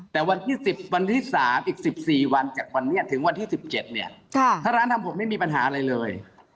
แต่วันที่๑๐วันที่๓อีก๑๔วันจากวันนี้ถึงวันที่๑๗เนี่ยถ้าร้านทำผมไม่มีปัญหาอะไรเลย